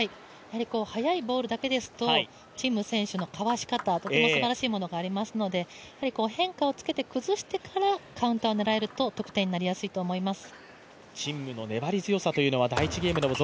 速いボールだけですと陳夢選手の交わし方、とてもすばらしいものがありますので、変化をつけて崩してからカウンターを狙えると得点になりやすいと思います。